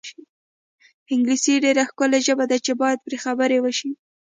انګلیسي ډېره ښکلې ژبه ده چې باید پرې خبرې وشي.